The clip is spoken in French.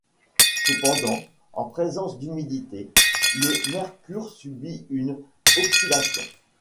Cependant, en présence d'humidité, le mercure subit une oxydation.